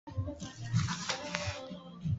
Wa elfu moja mia tisa sitini na saba